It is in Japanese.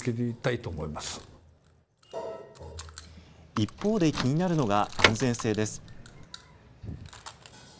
一方で気になるのが安全性です。